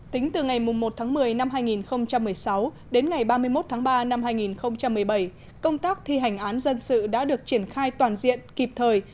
tính từ ngày một tháng một mươi năm hai nghìn một mươi sáu đến ngày ba mươi một tháng ba năm hai nghìn một mươi bảy công tác thi hành án dân sự đã được triển khai toàn diện kịp thời